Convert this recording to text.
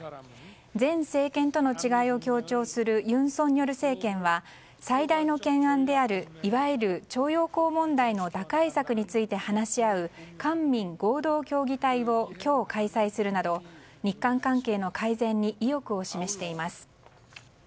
前政権との違いを強調する尹錫悦政権は最大の懸案であるいわゆる徴用工問題の打開策について話し合う官民合同協議体を今日、開催するなど日韓関係の改善に意欲を示しています。